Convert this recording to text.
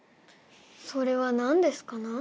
それは何ですかな？